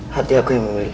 hati aku yang memilih